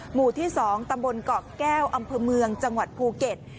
หมู่ที่๒ตำบลเกาะแก้วอำเภอเมืองจังหวัดภูเก็ต